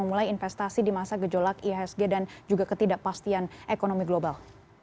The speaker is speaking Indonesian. memulai investasi di masa gejolak ihsg dan juga ketidakpastian ekonomi global